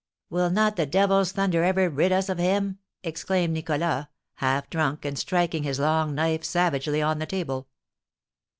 "Will not the devil's thunder ever rid us of him?" exclaimed Nicholas, half drunk, and striking his long knife savagely on the table.